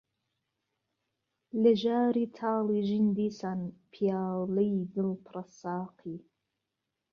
لە ژاری تالی ژین دیسان پیاله ی دل پرە ساقی